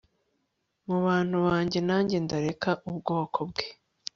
mu bantu banjye nanjye ndareka ubwoko bwe